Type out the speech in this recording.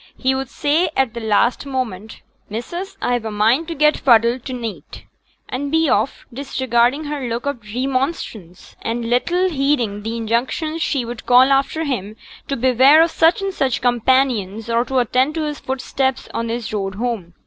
He would say at the last moment, 'Missus, I've a mind to get fuddled to neet,' and be off, disregarding her look of remonstrance, and little heeding the injunctions she would call after him to beware of such and such companions, or to attend to his footsteps on his road home.